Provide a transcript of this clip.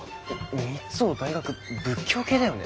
三生大学仏教系だよね？